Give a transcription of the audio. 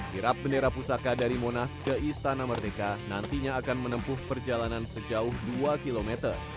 kirap bendera pusaka dari monas ke istana merdeka nantinya akan menempuh perjalanan sejauh dua km